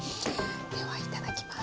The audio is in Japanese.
ではいただきます。